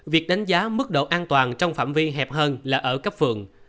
việc đánh giá mức độ an toàn trong phạm vi hẹp hơn là ở cấp phường